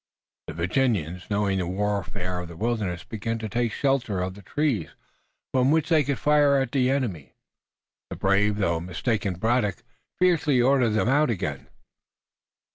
The Virginians, knowing the warfare of the wilderness, began to take to the shelter of the trees, from which they could fire at the enemy. The brave though mistaken Braddock fiercely ordered them out again.